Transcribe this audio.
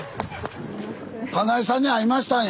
花井さんに会いましたんや。